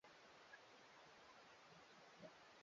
katika bibilia kina thomaso hawaamini bila